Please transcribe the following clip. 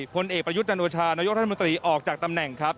พลเอกประยุทธ์จันโอชานายกรัฐมนตรีออกจากตำแหน่งครับ